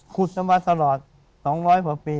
ขุดจะมาสลอด๒๐๐พอปี